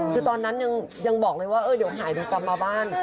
คือตอนนั้นยังบอกเลยว่าเดี๋ยวหายเดี๋ยวกลับมาบ้าน